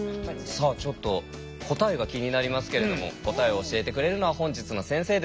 さあちょっと答えが気になりますけれども答えを教えてくれるのは本日の先生です。